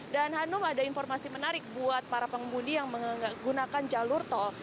dan hanum ada informasi menarik buat para pengemudi yang menggunakan jalur tol